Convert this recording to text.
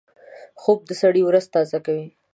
خوب د سړي ورځ تازه کوي